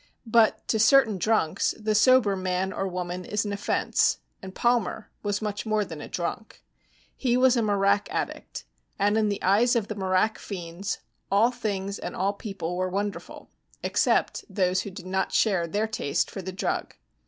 But to certain drunks, the sober man or woman is an offense, and Palmer was much more than a drunk. He was a marak addict, and in the eyes of the marak fiends, all things and all people were wonderful, except those who did not share their taste for the drug.